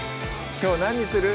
きょう何にする？